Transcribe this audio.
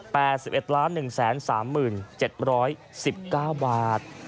แปร๑๑๑๓๗๐๑๙บาท